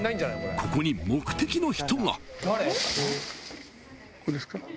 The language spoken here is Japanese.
［ここに目的の人が］え！？